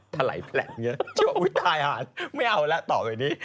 ทะไหลแปลกเนี่ยช่วงวิทายหาดไม่เอาแล้วต่อไปนี้